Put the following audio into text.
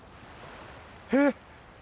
えっ！